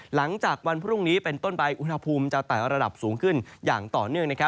หลังจากวันพรุ่งนี้เป็นต้นไปอุณหภูมิจะไต่ระดับสูงขึ้นอย่างต่อเนื่อง